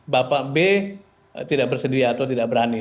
bapak b tidak bersedia atau tidak berani